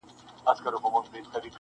یو موږک دی چي په نورو نه ګډېږي.